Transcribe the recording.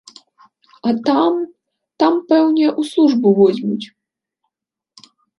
А там, там пэўне ў службу возьмуць.